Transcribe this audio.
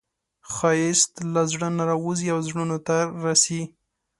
ښایست له زړه نه راوځي او زړونو ته رسي